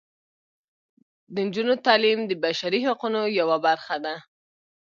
د نجونو تعلیم د بشري حقونو یوه برخه ده.